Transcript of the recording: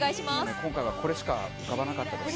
今回はこれしか浮かばなかったです。